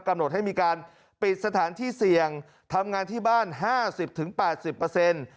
กำหนดให้มีการปิดสถานที่เสี่ยงทำงานที่บ้าน๕๐๘๐